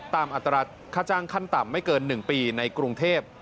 อัตราค่าจ้างขั้นต่ำไม่เกิน๑ปีในกรุงเทพ